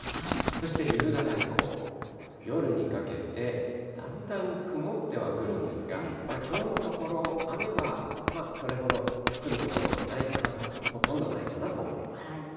そして、夕方以降、夜にかけてだんだん曇ってはくるんですが、きょうのところ、雨はそれほど降る所はないかなと、ほとんどないかなと思います。